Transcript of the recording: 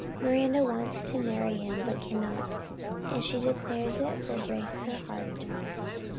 Miranda wants to marry him but cannot, and she declares it will break her heart.